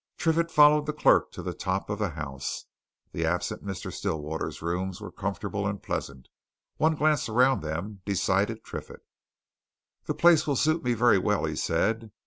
Triffitt followed the clerk to the top of the house. The absent Mr. Stillwater's rooms were comfortable and pleasant; one glance around them decided Triffitt. "This place will suit me very well," he said.